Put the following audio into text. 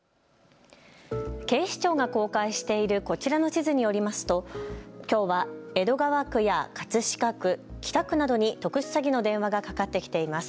警視庁が公開しているこちらの地図によりますときょうは江戸川区や葛飾区、北区などに特殊詐欺の電話がかかってきています。